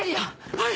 はい！